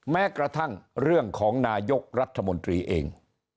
แม้กระทั่งเรื่องของนายกรัฐมนตรีเอง